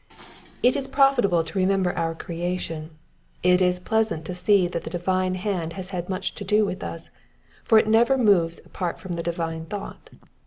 '^^ It is profitable to remember our creation, it is pleasant to see that the divine hand has had much to do with us, for it never moves apart from the divine thought.